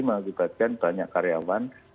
mengibatkan banyak karyawan